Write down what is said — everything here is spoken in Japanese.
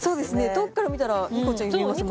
遠くから見たらニコちゃんに見えますもんね。